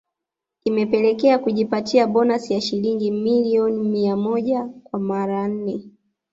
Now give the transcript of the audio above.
Imepelekea kujipatia bonasi ya shilingi milioni mia moja kwa mara nne